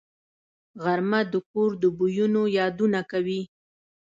غرمه د کور د بویونو یادونه کوي